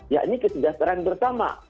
yakni kesejahteraan bersama